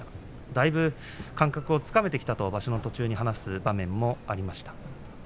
だいぶ感覚をつかめてきたと話す場面もありました。